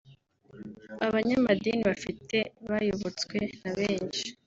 Abanyamadini bafite bayobotswe na benshi